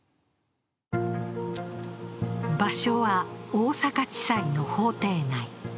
場所は大阪地裁の法廷内。